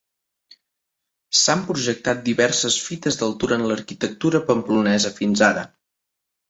S'han projectat diverses fites d'altura en l'arquitectura pamplonesa fins ara.